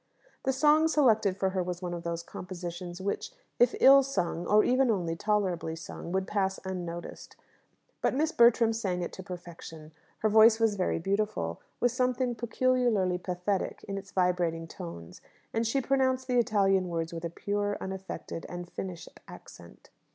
The song selected for her was one of those compositions which, if ill sung, or even only tolerably sung, would pass unnoticed. But Miss Bertram sang it to perfection. Her voice was very beautiful, with something peculiarly pathetic in its vibrating tones, and she pronounced the Italian words with a pure, unaffected, and finished accent.